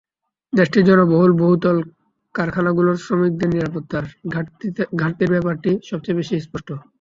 দেশটির জনবহুল বহুতল কারখানাগুলোর শ্রমিকদের নিরাপত্তার ঘাটতির ব্যাপারটি সবচেয়ে বেশি স্পষ্ট।